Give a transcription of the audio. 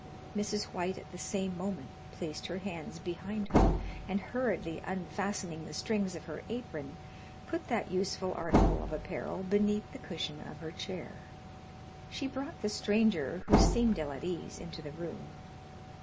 Mrs. White at the same moment placed her hands behind her, and hurriedly unfastening the strings of her apron, put that useful article of apparel beneath the cushion of her chair. She brought the stranger, who seemed ill at ease, into the room.